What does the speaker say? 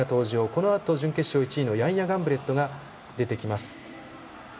このあと準決勝１位のヤンヤ・ガンブレットが出てきます。